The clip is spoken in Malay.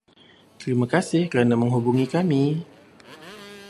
Terima kasih kerana menghubungi kami.